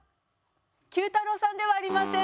Ｑ太郎さんではありません。